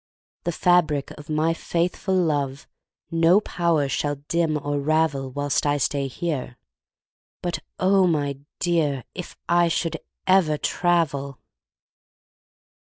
The fabric of my faithful love No power shall dim or ravel Whilst I stay here, but oh, my dear, If I should ever travel!